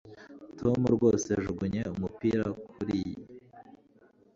tom rwose yajugunye umupira kuriyi